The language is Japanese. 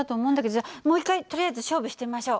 じゃあもう一回とりあえず勝負してみましょう。